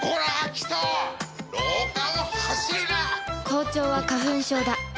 校長は花粉症だ